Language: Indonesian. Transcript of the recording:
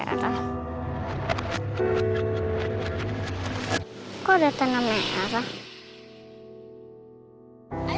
aduh tak ada tanah aiden